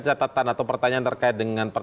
catatan atau pertanyaan terkait dengan